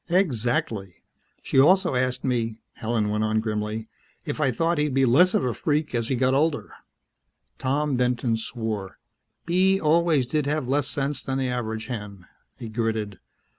"Exactly. She also asked me," Helen went on grimly, "if I thought he'd be less of a freak as he got older." Tom Benton swore. "Bee always did have less sense than the average hen," he gritted.